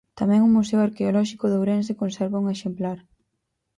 Tamén o Museo Arqueolóxico de Ourense conserva un exemplar.